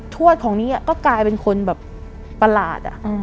วดของนี้ก็กลายเป็นคนแบบประหลาด